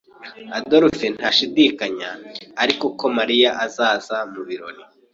Adolphe ntashidikanya ariko ko Mariya azaza mubirori.